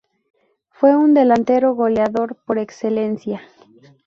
Fue un delantero goleador por excelencia.